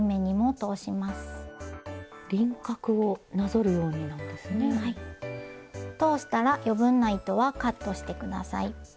通したら余分な糸はカットして下さい。